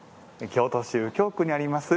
京都市右京区にあります